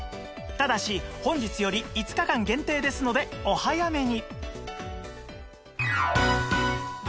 ただし本日より５日間限定ですのでお早めに